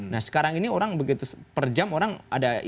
nah sekarang ini orang begitu per jam orang ada